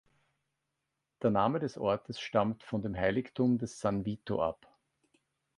Der Name des Ortes stammt von dem Heiligtum des San Vito ab.